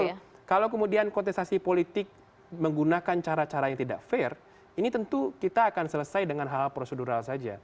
betul kalau kemudian kontestasi politik menggunakan cara cara yang tidak fair ini tentu kita akan selesai dengan hal hal prosedural saja